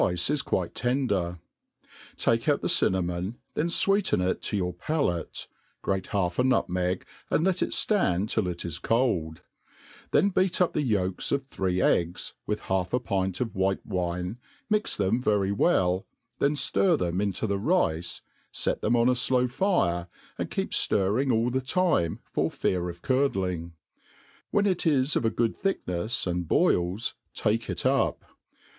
157 tiee is quite tender : take out the cinnamon, then fweeten it to your palate, grate half a nutmeg, and let it ftand till it is cold; then beat up the yolks of three eggs, with half a pint of white wine, mix them very well, then ftii; them into the rice, fet them on a flow fire, and keep ftirring all the time for fear of curdling. When it is of a good thickneb, and boils, take it up.